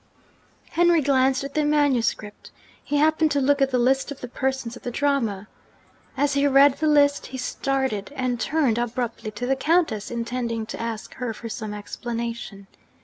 Henry glanced at the manuscript. He happened to look at the list of the persons of the drama. As he read the list he started and turned abruptly to the Countess, intending to ask her for some explanation.